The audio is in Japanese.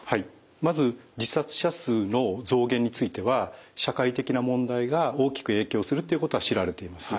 まず自殺者数の増減については社会的な問題が大きく影響するということが知られています。